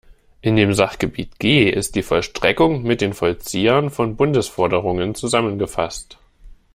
In dem Sachgebiet G ist die Vollstreckung mit den Vollziehern von Bundesforderungen zusammengefasst.